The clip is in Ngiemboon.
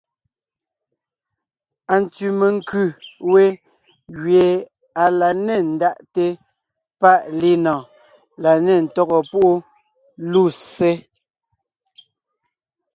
Antsẅì menkʉ̀ we gẅie à la nê ndaʼte páʼ linɔ̀ɔn la nê ntɔ́gɔ púʼu lussé.